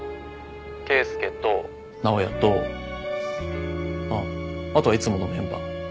圭介と尚也とあっあとはいつものメンバー。